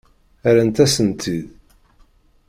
Rrant-asen-tt-id.